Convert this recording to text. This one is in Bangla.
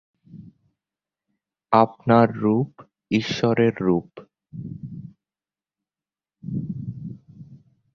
আপনার রূপ ঈশ্বরের রূপ।